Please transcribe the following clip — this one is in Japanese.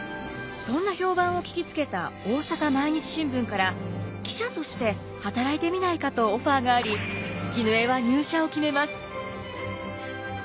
そんな評判を聞きつけた大阪毎日新聞から記者として働いてみないかとオファーがあり絹枝は入社を決めます。